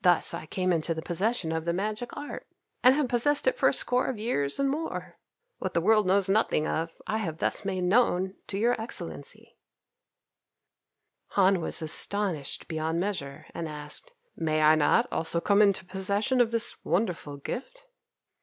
Thus I came into possession of the magic art, and have possessed it for a score of years and more. What the world knows nothing of I have thus made known to your Excellency." Han was astonished beyond measure, and asked, "May I not also come into possession of this wonderful gift?"